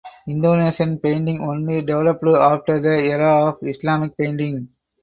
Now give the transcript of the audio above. Indonesian painting only developed after the era of Islamic painting.